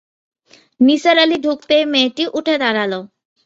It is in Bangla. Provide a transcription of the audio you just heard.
নিসার আলি ঢুকতেই মেয়েটি উঠে দাঁড়াল।